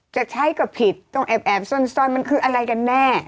จะใช้ก็ผิดต้องแอบซ่อนมันคืออะไรกันแน่